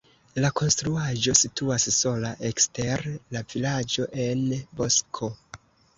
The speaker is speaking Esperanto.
La konstruaĵo situas sola ekster la vilaĝo en bosko.